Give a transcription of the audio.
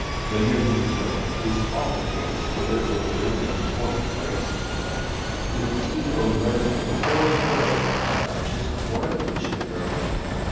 Whene'er you joke, 'tis all a case Whether with Dermot, or his grace; With Teague O'Murphy, or an earl; A duchess, or a kitchen girl.